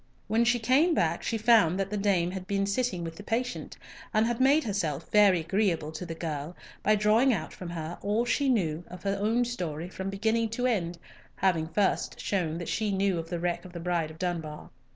When she came back, she found that the dame had been sitting with the patient, and had made herself very agreeable to the girl by drawing out from her all she knew of her own story from beginning to end, having first shown that she knew of the wreck of the Bride of Dunbar.